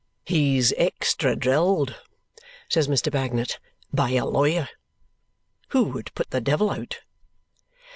"He's extra drilled," says Mr. Bagnet. "By a lawyer. Who would put the devil out."